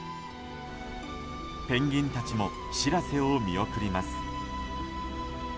ペンギンたちも「しらせ」を見送ります。